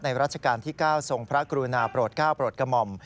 รัชกาลที่๙ทรงพระกรุณาโปรดก้าวโปรดกระหม่อม